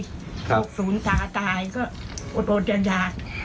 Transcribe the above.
หกศูนย์ตาตายก็อดยาด